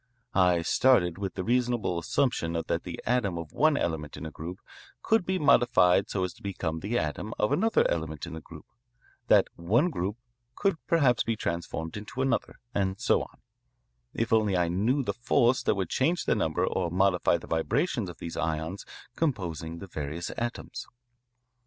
I started with the reasonable assumption that the atom of one element in a group could be modified so as to become the atom of another element in the group, that one group could perhaps be transformed into another, and so on, if only I knew the force that would change the number or modify the vibrations of these ions composing the various atoms.